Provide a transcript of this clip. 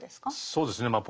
そうですねまあ